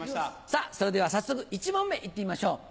さぁそれでは早速１問目行ってみましょう。